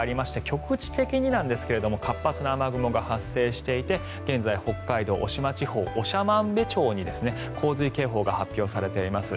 局地的になんですが活発な雨雲が発生していて現在、北海道渡島地方長万部町に洪水警報が発表されています。